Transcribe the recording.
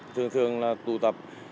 thường thường là tụ tập